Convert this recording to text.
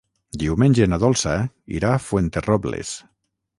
Diumenge na Dolça irà a Fuenterrobles.